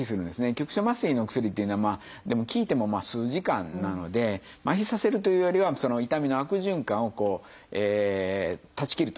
局所麻酔のお薬っていうのは効いても数時間なので麻痺させるというよりは痛みの悪循環を断ち切ると。